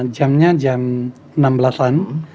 jamnya jam enam belas an